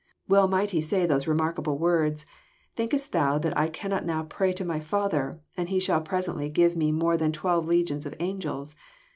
Well might He say those remarkable words, ^^ Thinkest thou that I cannot now pray to my Father, and He shall presently give Me more than twelve legions of angels.